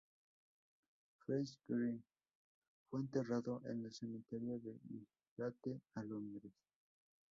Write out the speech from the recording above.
Friese-Greene fue enterrado en el cementerio de Highgate, a Londres.